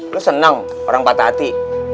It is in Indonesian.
lu senang orang patah hati